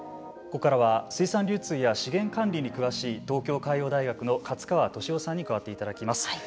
ここからは水産流通や資源管理に詳しい東京海洋大学の勝川俊雄さんに加わっていただきます。